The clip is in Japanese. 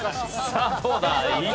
さあどうだ？